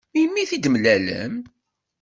Melmi i t-id-mlalen?